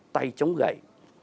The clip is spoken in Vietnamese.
tay chống gậy